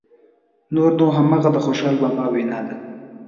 نور نو همغه د خوشحال بابا وینا ده.